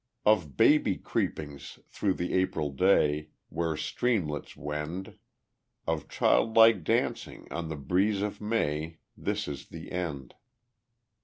Of baby creepings through the April day Where streamlets wend, Of childlike dancing on the breeze of May, This is the end.